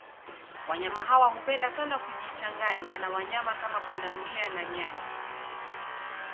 Wanyama hawa hupenda sana kujichanganya na wanyama kama pundamlia na nyani